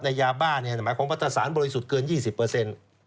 ยาบ้าเนี่ยหมายความว่าถ้าสารบริสุทธิ์เกิน๒๐เปอร์เซ็นต์